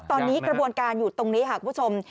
ตอนนี้กระบวนการอยู่ตรงนี้ค่ะคุณผู้ชม